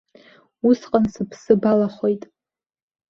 Усҟан сыԥсы балахоит.